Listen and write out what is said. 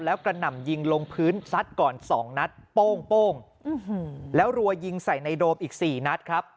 แล้วกระหน่ำยิงลงพื้นซัดก่อน๒นัดโป้งแล้วรัวยิงใส่ในโดมอีก๔นัดครับ